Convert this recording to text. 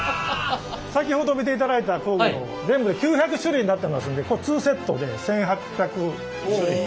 先ほど見ていただいた工具全部で９００種類になってますんでこれ２セットで１，８００種類。